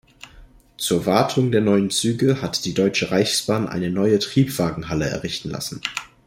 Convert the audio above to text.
Zur Wartung der neuen Züge hatte die Deutsche Reichsbahn eine neue Triebwagenhalle errichten lassen.